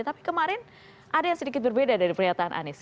tapi kemarin ada yang sedikit berbeda dari pernyataan anies